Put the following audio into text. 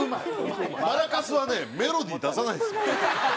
マラカスはねメロディー出さないんですよ。